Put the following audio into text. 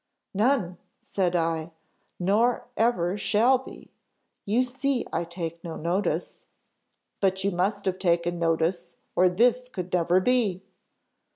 "'None,' said I, 'nor ever shall be; you see I take no notice.' "'But you must have taken notice, or this could never be?